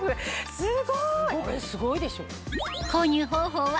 すごいでしょ？